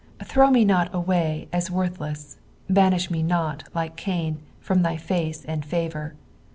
Throw me not away an worth leas 1 banish me not, like Cain, from thy face and favour.